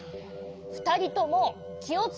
ふたりともきをつけないと！